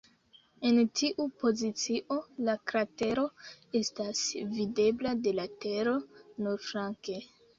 En tiu pozicio, la kratero estas videbla de la Tero nur flanke.